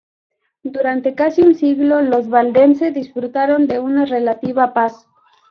Durante casi un siglo, los valdense disfrutaron de una relativa paz.